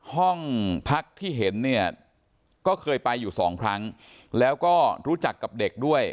ห้องพักที่เห็นเนี่ยก็เคยไปอยู่สองครั้งแล้วก็รู้จักกับเด็กด้วย